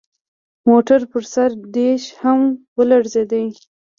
د موټر پر سر ډیش هم ولړزید